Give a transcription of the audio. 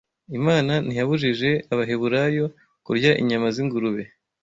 Imana ntiyabujije Abaheburayo kurya inyama z’ingurube